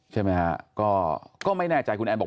ใช่ไหมฮะก็ไม่แน่ใจคุณแอนบอก